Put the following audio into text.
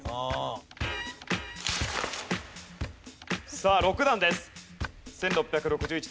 さあ６段です。